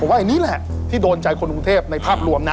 ว่าอันนี้แหละที่โดนใจคนกรุงเทพในภาพรวมนะ